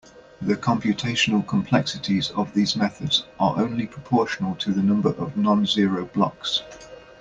The computational complexities of these methods are only proportional to the number of non-zero blocks.